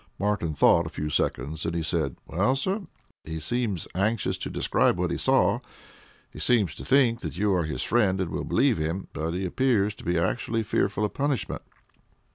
Martin thought a few seconds, then he said: "Well, sir, he seems anxious to describe what he saw, and seems to think that you are his friend and will believe him; but he appears to be actually fearful of punishment."